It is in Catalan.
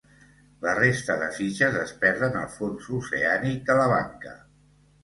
La resta de fitxes es perden al fons oceànic de la banca.